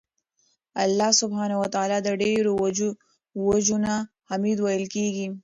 الله سبحانه وتعالی ته د ډيرو وَجُو نه حــمید ویل کیږي